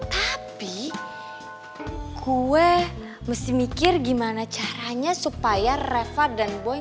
tapi gue mesti mikir gimana caranya supaya revar dan boy